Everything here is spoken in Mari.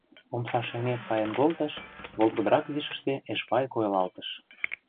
Омса шеҥгек каен колтыш — волгыдырак вишыште Эшпай койылалтыш.